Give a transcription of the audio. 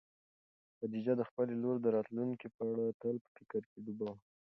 خدیجه د خپلې لور د راتلونکي په اړه تل په فکر کې ډوبه وه.